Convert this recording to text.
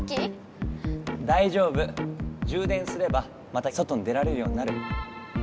充電すればまた外に出られるようになる。